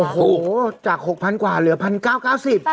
โอ้โหจาก๖๐๐กว่าเหลือ๑๙๙๐บาท